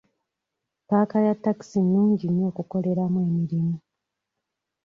Paaka ya takisi nnungi nnyo okukoleramu emirimu.